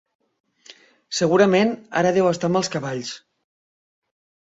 Segurament ara deu estar amb els cavalls.